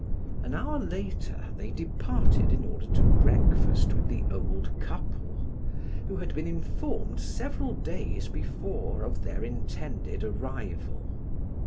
An hour later they departed in order to breakfast with the old couple, who had been informed several days before of their intended arrival.